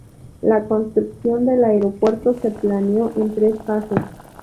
La construcción del aeropuerto se planeó en tres fases.